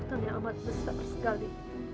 hutan yang amat besar sekali